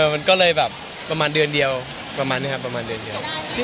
มันก็เลยแบบประมาณเดือนเดียวประมาณนี้ครับประมาณเดือนเดียว